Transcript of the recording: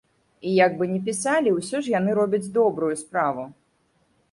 І як бы не пісалі, усё ж яны робяць добрую справу.